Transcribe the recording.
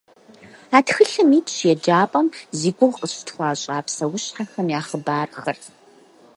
А тхылъым итщ еджапӏэм зи гугъу къыщытхуащӏа псэущхьэхэм я хъыбархэр.